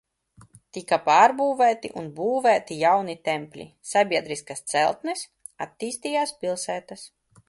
Tika pārbūvēti un būvēti jauni tempļi, sabiedriskas celtnes, attīstījās pilsētas.